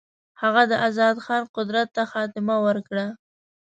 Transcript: هغه د آزاد خان قدرت ته خاتمه ورکړه.